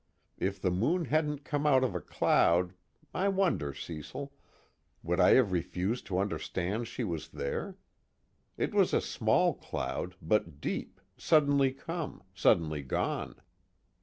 If the moon hadn't come out of a cloud I wonder, Cecil would I have refused to understand she was there? It was a small cloud but deep, suddenly come, suddenly gone.